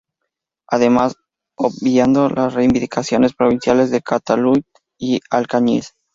Además, obviando las reivindicaciones provinciales de Calatayud y Alcañiz.